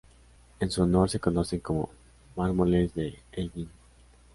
En su honor, se conocen como "Mármoles de Elgin".